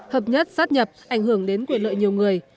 hợp nhất sát nhập ảnh hưởng đến quyền lợi nhiều người